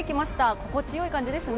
心地よい感じですね。